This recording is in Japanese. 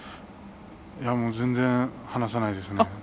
いや、全然話さないですね。